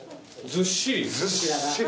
ずっしり。